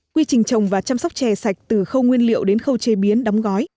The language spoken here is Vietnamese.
quy trình trồng và chăm sóc chè sạch từ khâu nguyên liệu đến khâu chế biến đóng gói